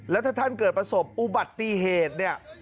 และถ้าท่านเกิดประสบอุบัติตีเหตุ